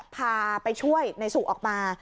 พาไปช่วยในสู่ออกมา